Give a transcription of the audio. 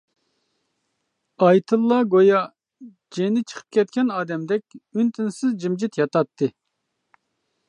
ئايتىللا گويا جىنى چىقىپ كەتكەن ئادەمدەك ئۈن-تىنسىز جىمجىت ياتاتتى.